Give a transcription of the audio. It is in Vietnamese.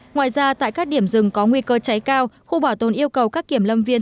ngoài ra tại các điểm rừng có nguy cơ cháy cao khu bảo tồn yêu cầu các kiểm lâm viên